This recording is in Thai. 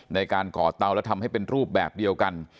ในการก่อเตาและทำให้เป็นรูปแบบเดียวกัน